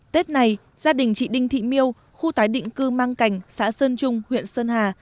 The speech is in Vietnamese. tết này gia đình chị đinh thị miêu khu tái định cư mang cảnh xã sơn trung huyện sơn hà